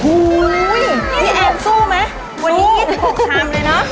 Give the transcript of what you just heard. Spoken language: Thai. อุ้ยพี่แอมสู้ไหมวันนี้กิน๖ชามเลยเนอะ